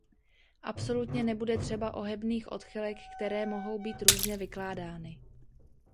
Absolutně nebude třeba ohebných odchylek, které mohou být různě vykládány.